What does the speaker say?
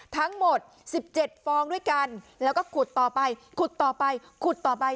ทั้งหมด๑๗ฟองด้วยกันแล้วก็ขุดต่อไปขุดต่อไปขุดต่อไป